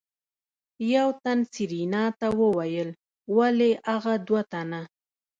يو تن سېرېنا ته وويل ولې اغه دوه تنه.